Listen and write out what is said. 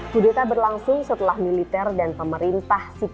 kudeta berlangsung setelah militer dan pemerintah sepakat